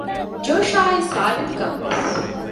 ޖޯޝާއި ސާބިތުކަންވެސް